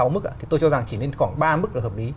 năm mươi sáu mức tôi cho rằng chỉ lên khoảng ba mức là hợp lý